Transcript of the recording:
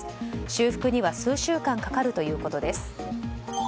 修復には数週間かかるということです。